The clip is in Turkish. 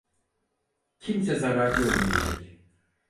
Kimse zarar görmeyecek.